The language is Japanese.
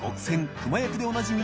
クマ役でおなじみ